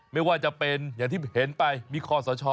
ไม่ว่าจะเป็นอย่างที่เห็นไปมีคอสช